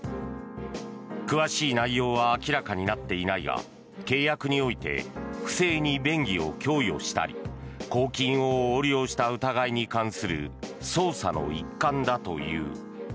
詳しい内容は明らかになっていないが契約において不正に便宜を供与したり公金を横領した疑いに関する捜査の一環だという。